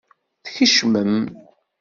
Tkecmem.